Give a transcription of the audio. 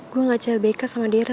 gue gak clbk sama darren